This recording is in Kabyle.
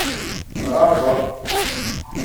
Tɣabeḍ.